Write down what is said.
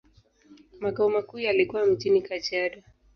Makao makuu yalikuwa mjini Kajiado.